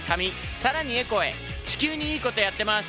さらにエコへ地球にいいことやってます。